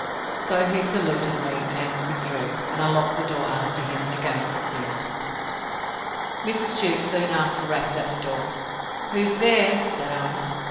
—So he saluted me, and withdrew; and I locked the door after him again for fear. Mrs. Jewkes soon after rapped at the door. Who's there? said I.